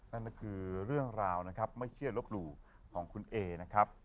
นั่นก็คือเรื่องราวนะครับไม่เชื่อลบหลู่ของคุณเอนะครับ